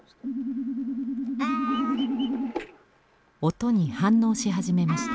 音に反応し始めました。